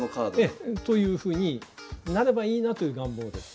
ええ。というふうになればいいなという願望です。